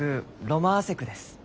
ロマアセクです。